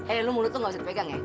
eh lu mulut lu ga usah dipegang ya